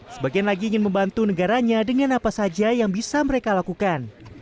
sebagian lagi ingin membantu negaranya dengan apa saja yang bisa mereka lakukan